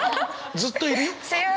ずっといるよ。